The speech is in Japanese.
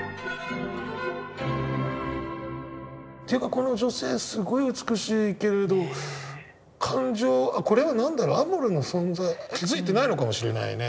この女性すごい美しいけれど感情あっこれは何だろうアモルの存在気付いていないのかもしれないね。